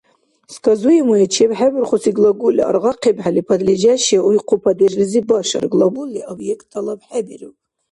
Сказуемое чебхӀебурхуси глаголли аргъахъибхӀели, подлежащее уйхъу падежлизиб башар, глаголли объект тӀалабхӀебиру.